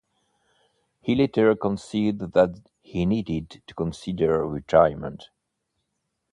He later conceded that he needed to consider retirement.